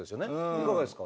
いかがですか？